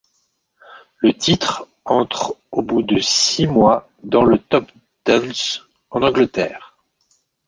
Le titre entre au bout de six mois dans le top danse en Angleterre.